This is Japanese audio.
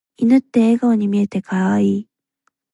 犬って笑顔に見えて可愛い。